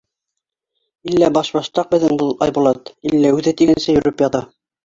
— Иллә баш-баштаҡ беҙҙең был Айбулат, иллә үҙе тигәнсә йөрөп ята.